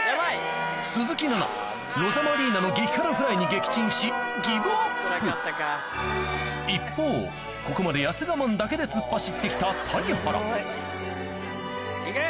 鈴木奈々ロザマリーナの激辛フライに撃沈し一方ここまでやせ我慢だけで突っ走って来た谷原行け！